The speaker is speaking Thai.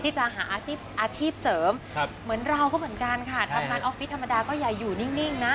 ที่จะหาอาชีพเสริมเหมือนเราก็เหมือนกันค่ะทำงานออฟฟิศธรรมดาก็อย่าอยู่นิ่งนะ